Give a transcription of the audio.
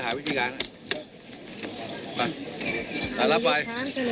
๕๐๐๐อ่ะ๔๐๐๐เพราะว่าก็๔๐๐๐